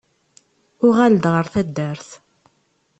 Uɣal-d ɣer taddart.